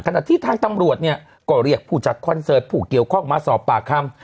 ขณะที่ทางตำรวจเนี่ยก็เรียกผู้จัดคอนเสิร์ตผู้เกี่ยวข้องมาสอบปากคำ